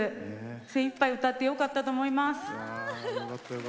精いっぱい歌ってよかったと思います。